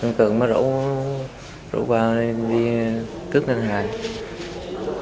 anh cường mới rủ qua đi cướp ngân hàng